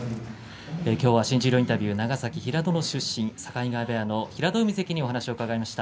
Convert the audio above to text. きょうは新十両インタビュー長崎・平戸の出身境川部屋の平戸海関にお話を伺いました。